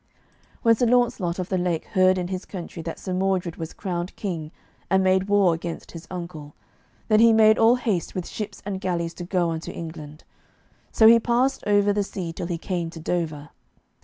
When Sir Launcelot of the Lake heard in his country that Sir Mordred was crowned king, and made war against his uncle, then he made all haste with ships and galleys to go unto England. So he passed over the sea till he came to Dover.